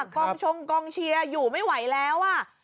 ใช่ค่ะกองชมกองเชียร์อยู่ไม่ไหวแล้ว